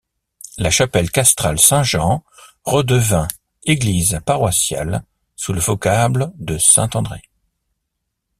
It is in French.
La chapelle castrale Saint-Jean redevint église paroissiale sous le vocable de Saint-André.